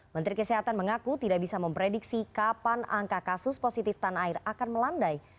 menteri kesehatan mengaku tidak bisa memprediksi kapan angka kasus positif tanah air akan melandai